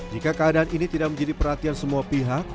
jika keadaan ini tidak menjadi perhatian semua pihak